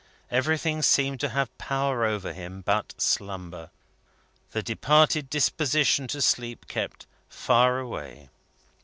Everything seemed to have power over him but slumber. The departed disposition to sleep kept far away.